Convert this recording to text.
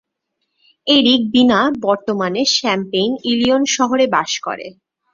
Eric বিনা বর্তমানে Champaign, Illinois শহরে বাস করেন।